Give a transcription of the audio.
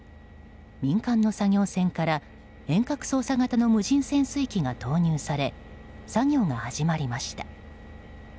民間の作業船から遠隔操作型の無人潜水機が投入され作業が始まりました。